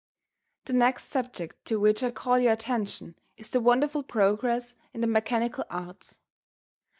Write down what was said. The next subject to which I call your attention is the wonderful progress in the mechanical arts.